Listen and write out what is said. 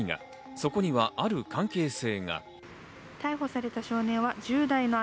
そこにはある関係性が。